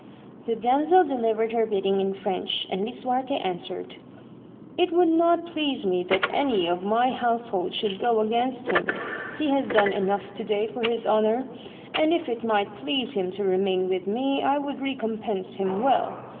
The damsel delivered her bid ding in French, and Lisuarte answered, it would not * please me that any of my household should go against him ; he has done enough to day for his honour, and if it might please him to remain with ine I would re compense him well.